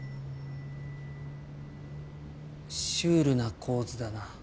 シュールな構図だな。